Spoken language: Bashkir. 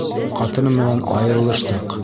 — Ҡатыным менән айырылыштыҡ.